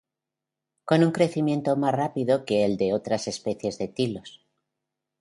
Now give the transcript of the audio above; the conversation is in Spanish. Con un crecimiento más rápido que el de otras especies de tilos.